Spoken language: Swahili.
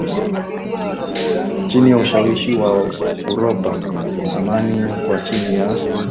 chini ya ushawishi wa Uropa Anaamini kuwa chini ya